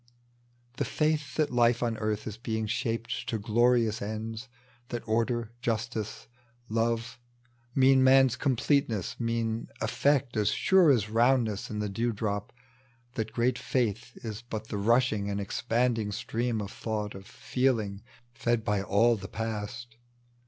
The faith that life on earth ia being shaped To glorious ends, that order, justice, love Mean man's completeness, mean effect as sure As roundness in the dew drop — that great faith Is but the rushing and expanding stream Of thought, of feeling, fed by all the past.